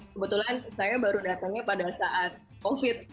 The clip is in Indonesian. kebetulan saya baru datangnya pada saat covid